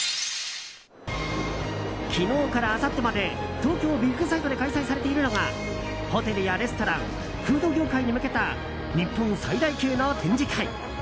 昨日からあさってまで東京ビッグサイトで開催されているのがホテルやレストランフード業界に向けた日本最大級の展示会。